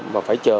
mà phải trực tuyến